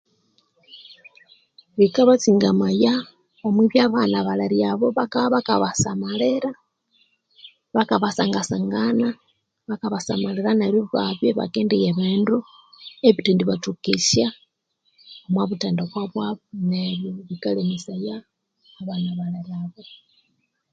Bikabatsingamaya omwibya abana balere abo bakabya bakabasamalira bakabasangasangana bakabasamalira neryo ibabya ibakendigha ebindu ebithendibathokesya omwa buthendekwa bwabo neryo bikalemesaya abana balere abo.